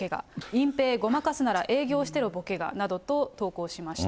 隠ぺいごまかすなら、営業してろ、ボケがなどと投稿しました。